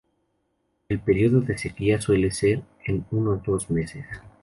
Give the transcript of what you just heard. El periodo de sequía suele ser de unos dos meses.